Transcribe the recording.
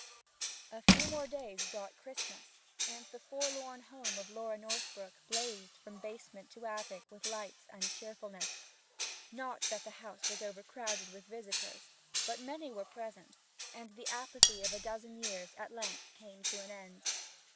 A few days more brought Christmas, and the forlorn home of Laura Northbrook blazed from basement to attic with light and cheerfulness. Not that the house was overcrowded with visitors, but many were present, and the apathy of a dozen years came at length to an end.